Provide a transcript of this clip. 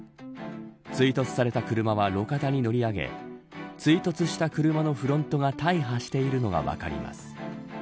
追突された車は路肩に乗り上げ追突した車のフロントが大破しているのが分かります。